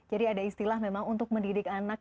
jadi ada istilah memang untuk mendidik anak